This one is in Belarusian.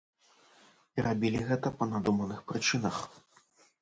І рабілі гэта па надуманых прычынах.